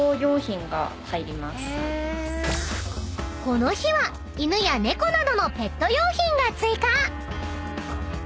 ［この日は犬や猫などのペット用品が追加］